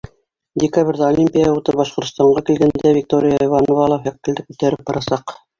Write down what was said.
Декабрҙә, Олимпия уты Башҡортостанға килгәндә, Виктория Иванова ла факелды күтәреп барасаҡ.